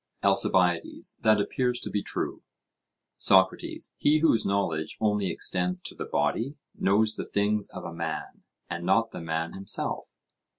ALCIBIADES: That appears to be true. SOCRATES: He whose knowledge only extends to the body, knows the things of a man, and not the man himself?